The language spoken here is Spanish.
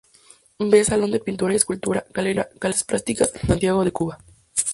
V Salón de Pintura y Escultura, Galería de Artes Plásticas, Santiago de Cuba.